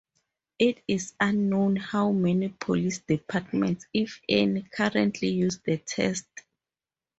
It is unknown how many police departments, if any, currently use the test.